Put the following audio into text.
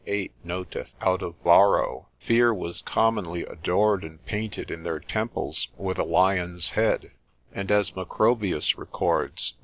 8, noteth out of Varro, fear was commonly adored and painted in their temples with a lion's head; and as Macrobius records, l.